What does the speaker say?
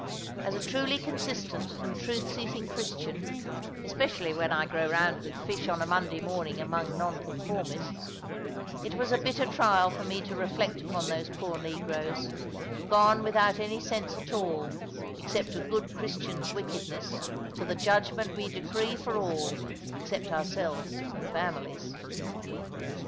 As a truly consistent and truth seeking Christian (especially when I go round with fish on a Monday morning among Nonconformists), it was a bitter trial for me to reflect upon those poor negroes, gone without any sense at all, except of good Christians' wickedness, to the judgment we decree for all, except ourselves and families.